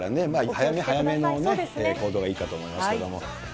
早め早めの行動がいいかと思いますけども。